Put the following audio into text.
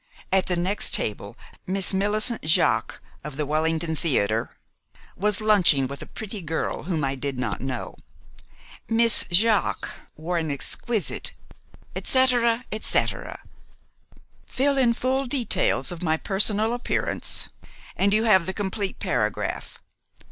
At the next table Miss Millicent Jaques, of the Wellington Theater, was lunching with a pretty girl whom I did not know. Miss Jaques wore an exquisite,' etc., etc. Fill in full details of my personal appearance, and you have the complete paragraph.